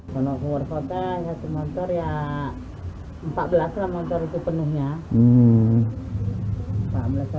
kalau keluar kota satu motor ya empat belas lah motor itu penuhnya